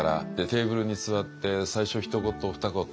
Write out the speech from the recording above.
テーブルに座って最初ひと言ふた言